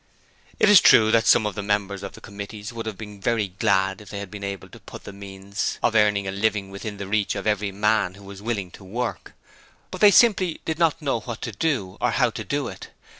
It is true that some of the members of the committee would have been very glad if they had been able to put the means of earning a living within the reach of every man who was willing to work; but they simply did not know what to do, or how to do it.